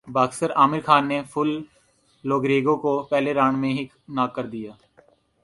boxer Aamir Khan نے Phil Lo Greco کو پہلےرانڈ میں ہی ناک کر دیا